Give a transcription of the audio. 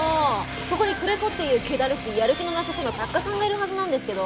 ここに久連木っていう気だるくてやる気のなさそうな作家さんがいるはずなんですけど。